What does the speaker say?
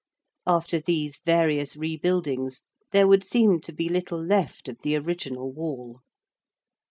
After these various rebuildings there would seem to be little left of the original Wall.